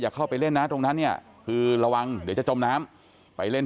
เข้าไปเล่นนะตรงนั้นเนี่ยคือระวังเดี๋ยวจะจมน้ำไปเล่น